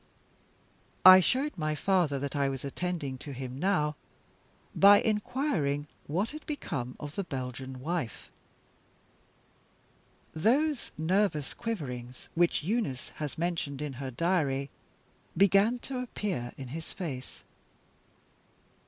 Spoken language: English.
I showed my father that I was attending to him now, by inquiring what had become of the Belgian wife. Those nervous quiverings, which Eunice has mentioned in her diary, began to appear in his face.